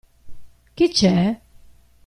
Chi c'è?